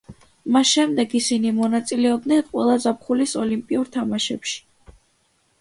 მას შემდეგ ისინი მონაწილეობდნენ ყველა ზაფხულის ოლიმპიურ თამაშებში.